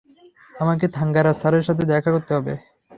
আমাকে থাঙ্গারাজ স্যারের সাথে দেখা করতে হবে।